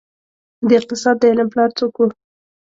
د اقتصاد د علم پلار څوک وه؟